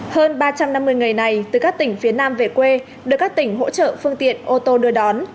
hơn ba trăm năm mươi người này từ các tỉnh phía nam về quê được các tỉnh hỗ trợ phương tiện ô tô đưa đón